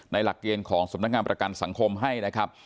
หลักเกณฑ์ของสำนักงานประกันสังคมให้นะครับ